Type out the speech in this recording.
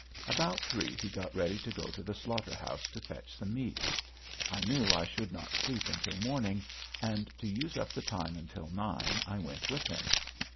About three he got ready to go to the slaughter house to fetch some meat. I knew I should not sleep until morning, and to use up the time until nine, I went with him.